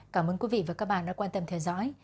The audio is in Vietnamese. cảm ơn quý vị và các bạn đã quan tâm theo dõi